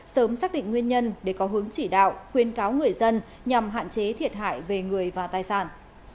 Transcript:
sớm xác định nguyên nhân để có hướng chỉ đạo khuyên cáo người dân nhằm hạn chế thiệt hại về người và tài sản